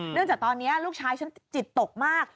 จากตอนนี้ลูกชายฉันจิตตกมาก